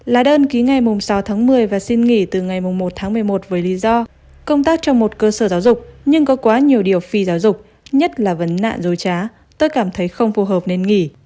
là đơn ký ngày sáu tháng một mươi và xin nghỉ từ ngày một tháng một mươi một với lý do công tác trong một cơ sở giáo dục nhưng có quá nhiều điều phi giáo dục nhất là vấn nạn dối trá tôi cảm thấy không phù hợp nên nghỉ